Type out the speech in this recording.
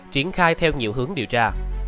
triển khai theo nhiều hướng điều tra